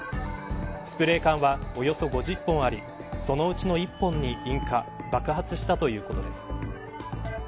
スプレー缶は、およそ５０本ありそのうちの１本に引火爆発したということです。